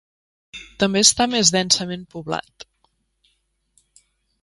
També està més densament poblat.